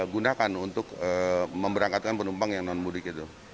gunakan untuk memberangkatkan penumpang yang non mudik itu